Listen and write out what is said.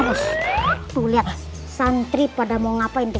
terus tuh lihat santri pada mau ngapain tuh